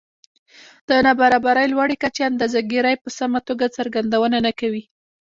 د نابرابرۍ لوړې کچې اندازه ګيرۍ په سمه توګه څرګندونه نه کوي